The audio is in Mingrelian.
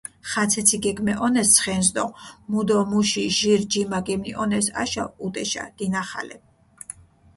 ხაცეცი გეგმეჸონეს ცხენს დო მუ დო მუში ჟირ ჯიმა გემნიჸონეს აშო, ჸუდეშა, დინახალე.